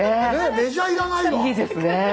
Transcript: メジャー要らないわ。